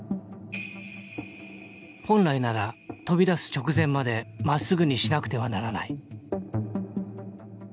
本来なら飛び出す直前までまっすぐにしなくてはならない。